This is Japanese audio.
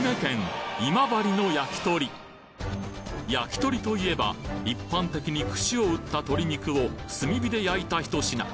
焼き鳥といえば一般的に串を打った鶏肉を炭火で焼いた一品